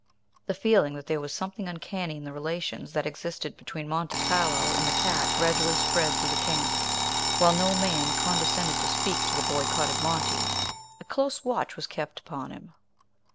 The feeling that there was something uncanny in the relations that existed between Monte Carlo and the cat gradually spread through the camp. While no man condescended to speak to the boycotted Monty, a close watch was kept upon him.